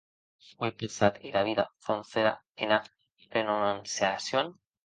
Qu’è passat era vida sancera ena renonciacion!